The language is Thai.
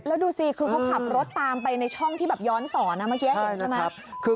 แล้วดูสิคือเขาขับรถตามไปในช่องที่แบบย้อนสอนเมื่อกี้เห็นใช่ไหม